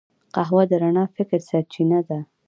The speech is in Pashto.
قهوه د رڼا فکر سرچینه ده